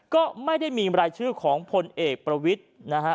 ก็ไม่ได้มีรายชื่อของพลเอกประวิทย์นะฮะ